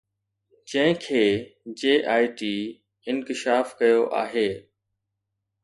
جنهن کي J I T انڪشاف ڪيو آهي